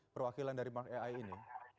perwakilan dari mark ai ini